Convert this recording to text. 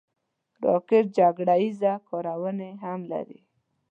راکټ جګړه ییز کارونې هم لري